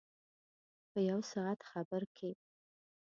په یو ساعت خبر کې.